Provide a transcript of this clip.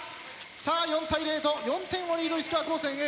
さあ４対０と４点をリード石川高専Ａ。